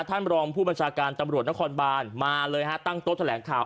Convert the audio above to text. รองผู้บัญชาการตำรวจนครบานมาเลยฮะตั้งโต๊ะแถลงข่าว